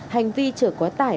hành vi chở quá tải